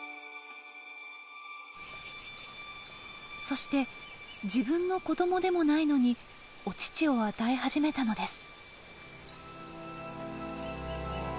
そして自分の子どもでもないのにお乳を与え始めたのです。